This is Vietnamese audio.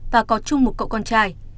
và có chung một cậu con trai